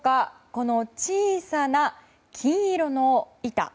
この小さな金色の板。